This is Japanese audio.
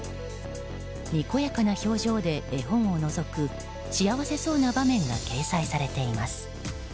にこやかな表情で絵本をのぞく幸せそうな場面が掲載されています。